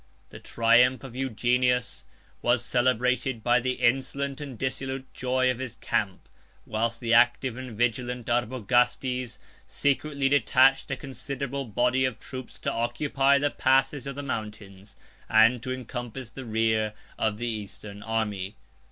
The triumph of Eugenius was celebrated by the insolent and dissolute joy of his camp; whilst the active and vigilant Arbogastes secretly detached a considerable body of troops to occupy the passes of the mountains, and to encompass the rear of the Eastern army.